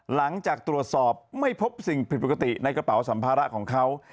หลังจากตรวจสอบไม่พบสิ่งผิดปกติในกระเป๋าสัมภาระของเขา